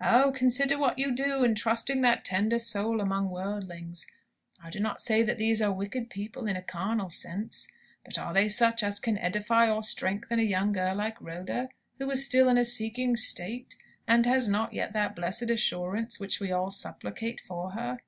"Oh, consider what you do in trusting that tender soul among worldlings! I do not say that these are wicked people in a carnal sense; but are they such as can edify or strengthen a young girl like Rhoda, who is still in a seeking state, and has not yet that blessed assurance which we all supplicate for her?"